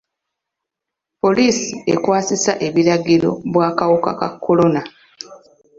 Poliisi ekwasisa ebiragiro bw'akawuka ka kolona.